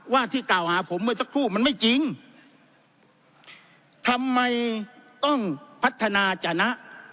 ที่กล่าวหาผมเมื่อสักครู่มันไม่จริงทำไมต้องพัฒนาจนะ